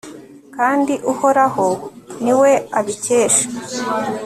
kandi uhoraho ni we abikesha